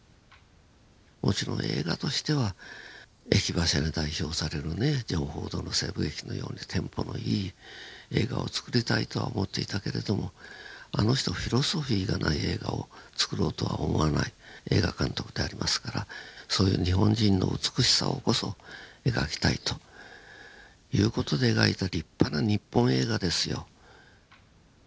もちろん映画としては「駅馬車」に代表されるねジョン・フォードの西部劇のようにテンポのいい映画をつくりたいとは思っていたけれどもあの人フィロソフィーがない映画をつくろうとは思わない映画監督でありますからそういう日本人の美しさをこそ描きたいという事で描いた立派な日本映画ですよ。